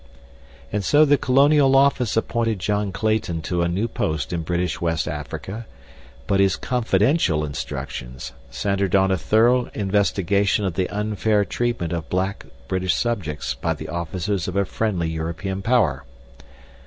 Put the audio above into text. And so the Colonial Office appointed John Clayton to a new post in British West Africa, but his confidential instructions centered on a thorough investigation of the unfair treatment of black British subjects by the officers of a friendly European power.